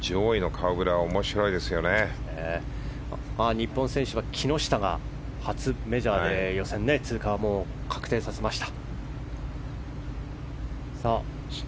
日本選手は木下が初メジャーで予選通過を確定させました。